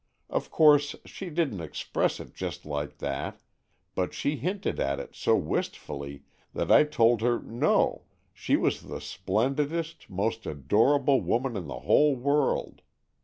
Of course she didn't express it just like that, but she hinted at it so wistfully, that I told her no, she was the splendidest, most adorable woman in the whole world.